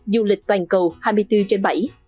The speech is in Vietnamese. du lịch toàn cầu hai mươi bốn trên bảy